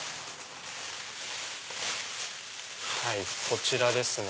こちらですね。